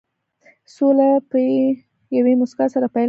سوله په یوې موسکا سره پيل کېږي.